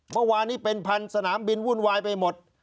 เมื่อวานนี้เป็นพันสนามบินวุ่นวายไปหมด